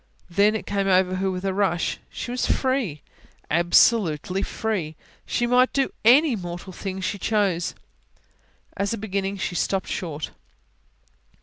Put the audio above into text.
Then, it came over her with a rush: she was free, absolutely free; she might do any mortal thing she chose. As a beginning she stopped short.